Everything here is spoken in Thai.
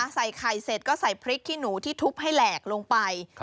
ใส่ไข่เสร็จก็ใส่พริกขี้หนูที่ทุบให้แหลกลงไป